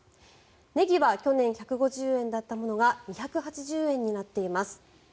ネギは去年１５０円だったものが２８０円になっています。